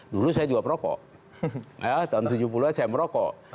dulu saya juga perokok tahun tujuh puluh an saya merokok